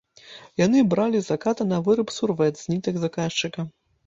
Яны бралі заказы на выраб сурвэт з нітак заказчыка.